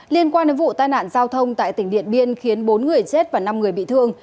liên quan đến vụ tai nạn giao thông tại tỉnh điện biên khiến bốn người chết và năm người bị thương